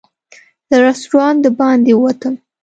له رسټورانټ د باندې ووتم.